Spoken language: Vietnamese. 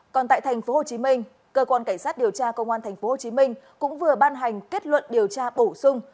còn tại tp hcm cơ quan cảnh sát điều tra công an tp hcm cũng vừa ban hành kết luận điều tra bổ sung